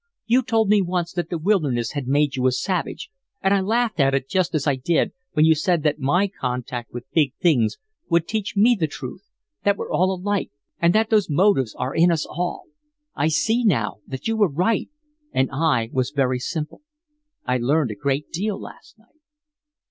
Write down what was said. You told me once that the wilderness had made you a savage, and I laughed at it just as I did when you said that my contact with big things would teach me the truth, that we're all alike, and that those motives are in us all. I see now that you were right and I was very simple. I learned a great deal last night."